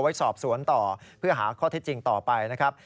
ไว้สอบสวนต่อเพื่อหาข้อเท็จจริงต่อไปนะครับ